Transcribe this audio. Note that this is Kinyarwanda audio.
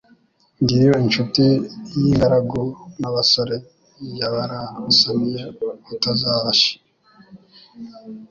Ngiyo inshuti y' ingaragu n' abasore, Yabarasaniye ubutazabashira